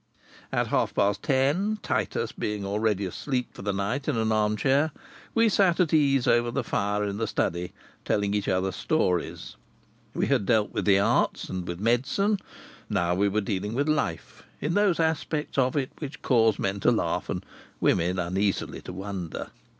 At half past ten, Titus being already asleep for the night in an arm chair, we sat at ease over the fire in the study telling each other stories. We had dealt with the arts, and with medicine; now we were dealing with life, in those aspects of it which cause men to laugh and women uneasily to wonder.